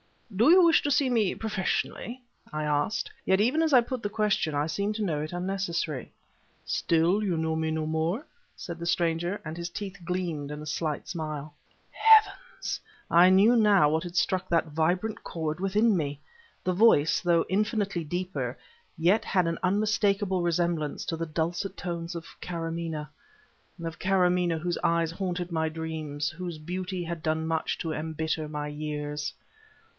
"Do you wish to see me professionally?" I asked yet even as I put the question, I seemed to know it unnecessary. "So you know me no more?" said the stranger and his teeth gleamed in a slight smile. Heavens! I knew now what had struck that vibrant chord within me! The voice, though infinitely deeper, yet had an unmistakable resemblance to the dulcet tones of Karamaneh of Karamaneh whose eyes haunted my dreams, whose beauty had done much to embitter my years.